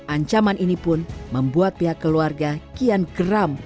ancaman ini pun membuat pihak keluarga kian geram